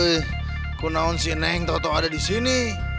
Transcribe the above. aku tau si neng tolong ada di sini